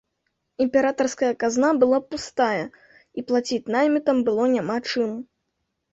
Імператарская казна была пустая, і плаціць наймітам было няма чым.